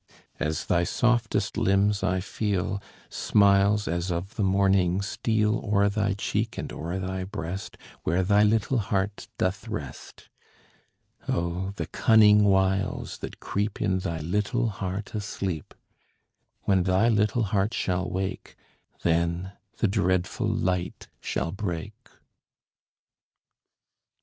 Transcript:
As thy softest limbs I feel, Smiles as of the morning steal O'er thy cheek and o'er thy breast, Where thy little heart doth rest. Oh, the cunning wiles that creep In thy little heart asleep! When thy little heart shall wake, Then the dreadful light shall break.